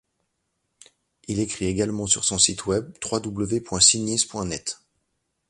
Il écrit également pour son site web www.signis.net.